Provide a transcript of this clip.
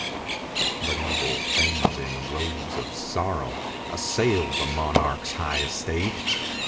But evil things, in robes of sorrow, Assailed the monarch's high estate.